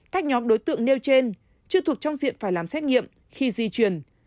các nhóm đối tượng nêu trên chưa thuộc trong diện phải làm xét nghiệm khi di chuyển